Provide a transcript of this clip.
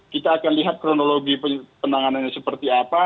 kita akan lihat kronologi penanganannya seperti apa